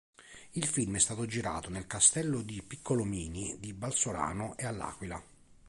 Il film è stato girato nel Castello Piccolomini di Balsorano e a L'Aquila.